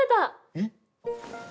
えっ？